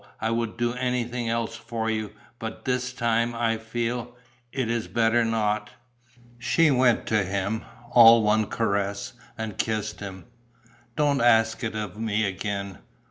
I would do anything else for you. But this time I feel ... it is better not!" She went to him, all one caress, and kissed him: "Don't ask it of me again.